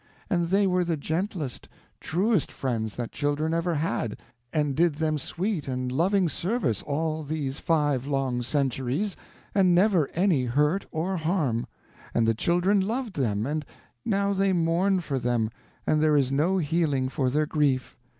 And they were the gentlest, truest friends that children ever had, and did them sweet and loving service all these five long centuries, and never any hurt or harm; and the children loved them, and now they mourn for them, and there is no healing for their grief.